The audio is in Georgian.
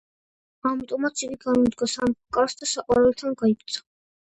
ამიტომაც იგი განუდგა სამეფო კარს და საყვარელთან გაიქცა.